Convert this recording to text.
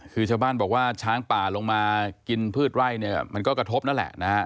คือชาวบ้านบอกว่าช้างป่าลงมากินพืชไร่เนี่ยมันก็กระทบนั่นแหละนะฮะ